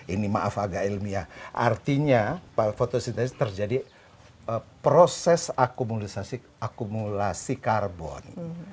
ini maaf agak ilmiah artinya fotosintesis terjadi proses akumulasi karbon